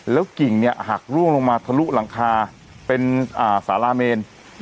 กิ่งหักร่วงลงมาทะลุหลังคาเป็นสาราเมน